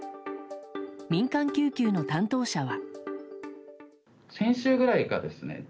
民間救急の担当者は。